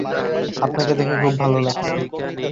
আপনাকে দেখে খুব ভালো লাগছে।